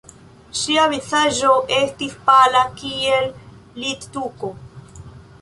Ŝia vizaĝo estis pala kiel littuko.